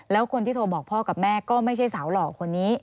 แล้วคนที่โทรบอกพ่อกับแม่ก็ไม่ใช่สาวหล่อคนนี้